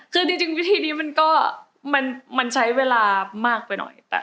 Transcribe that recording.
คือจริงวิธีนี้มันก็มันใช้เวลามากไปหน่อย